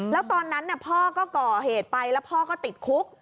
แล้วตอนนั้นพ่อก็ก่อเหตุไปแล้วพ่อก็ติดคุก